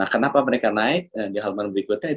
kenapa mereka naik di halaman berikutnya